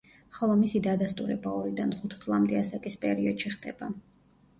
ხოლო მისი დადასტურება ორიდან ხუთ წლამდე ასაკის პერიოდში ხდება.